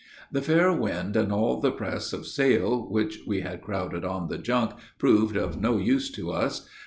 The fair wind and all the press of sail which we had crowded on the junk proved of no use to us.